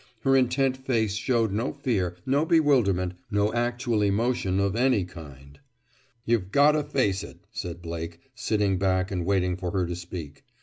Her intent face showed no fear, no bewilderment, no actual emotion of any kind. "You've got 'o face it," said Blake, sitting back and waiting for her to speak.